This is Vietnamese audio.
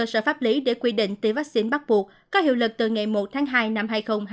sở pháp lý để quy định tiêm vaccine bắt buộc có hiệu lực từ ngày một tháng hai năm hai nghìn hai mươi hai